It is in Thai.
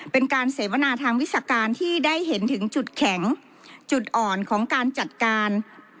เป็นการเสวนาทางวิชาการที่ได้เห็นถึงจุดแข็งจุดอ่อนของการจัดการ